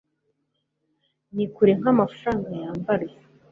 Ni kure nkamafaranga yambarwa